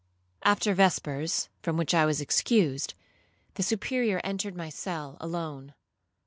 After vespers, (from which I was excused), the Superior entered my cell alone.